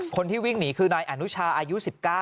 คนที่วิ่งหนีคือนายอนุชาอายุ๑๙